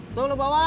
itu lu bawa